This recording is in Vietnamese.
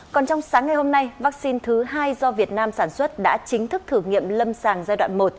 còn trong sáng ngày hôm nay vaccine thứ hai do việt nam sản xuất đã chính thức thử nghiệm lâm sàng giai đoạn một